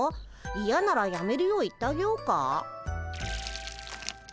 いやならやめるよう言ってあげようか？